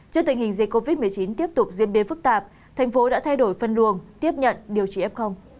trước tình hình dịch covid một mươi chín tiếp tục diễn biến phức tạp thành phố đã thay đổi phân luồng tiếp nhận điều trị f